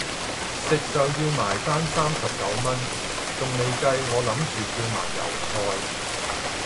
食就要埋單三十九蚊,仲未計我諗住叫埋油菜